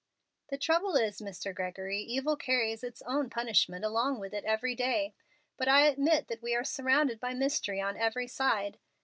"The trouble is, Mr. Gregory, evil carries its own punishment along with it every day. But I admit that we are surrounded by mystery on every side.